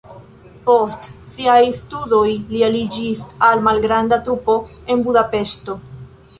Post siaj studoj li aliĝis al malgranda trupo en Budapeŝto.